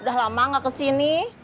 kang gak kesini